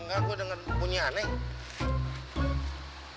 enggak gue denger bunyi aneh